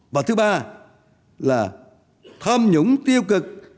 và thứ ba là tham nhũng tiêu cực